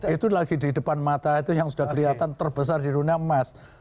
itu lagi di depan mata itu yang sudah kelihatan terbesar di dunia emas